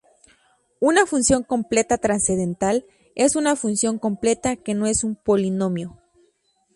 Una función completa trascendental es una función completa que no es un polinomio.